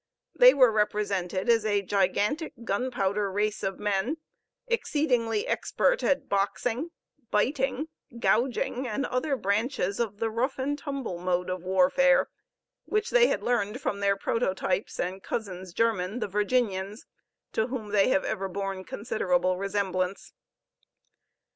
They were represented as a gigantic, gunpowder race of men, exceedingly expert at boxing, biting, gouging, and other branches of the rough and tumble mode of warfare, which they had learned from their prototypes and cousins german the Virginians, to whom they have ever borne considerable resemblance.